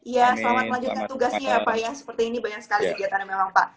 ya selamat melanjutkan tugasnya ya pak ya seperti ini banyak sekali kegiatannya memang pak